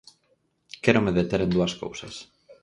Quérome deter en dúas cousas.